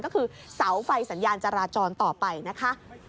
ก็คือเสาไฟสัญญาณจราจรต่อไปนะคะ